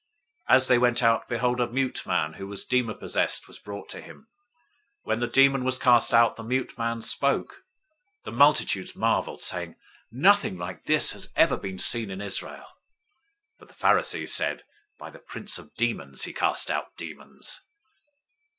009:032 As they went out, behold, a mute man who was demon possessed was brought to him. 009:033 When the demon was cast out, the mute man spoke. The multitudes marveled, saying, "Nothing like this has ever been seen in Israel!" 009:034 But the Pharisees said, "By the prince of the demons, he casts out demons."